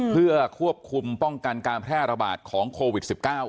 เพื่อควบคุมป้องกันการแพร่ระบาดของโควิด๑๙